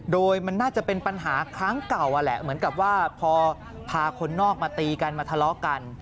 โดยมันน่าจะเป็นปัญหาครั้งเก่าอะแหละเหมือนกับว่าพอพาคนนอกมาตีกันมาทะเลาะกัน